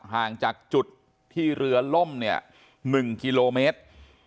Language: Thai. ห่างจากจุดที่เรือล่มเนี่ย๑กิโลเมตร